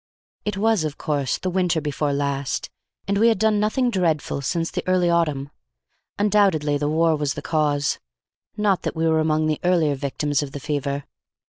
It was, of course, the winter before last, and we had done nothing dreadful since the early autumn. Undoubtedly the war was the cause. Not that we were among the earlier victims of the fever.